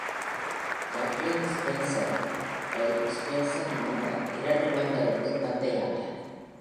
Jacklyn Spencer-ரை Spencer மணந்தார். இரண்டு குழந்தைகளுக்கு தந்தை ஆனார்.